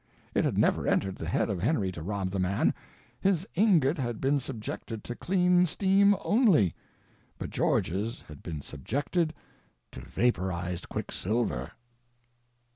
It had never entered the head of Henry to rob the man—his ingot had been subjected to clean steam only; but George's had been subjected to vaporized quicksilver.